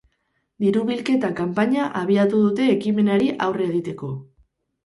Diru-bilketa kanpaina abiatu dute ekimenari aurre egiteko.